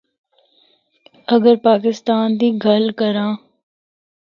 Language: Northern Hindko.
اگر پاکستان دی گل کراں۔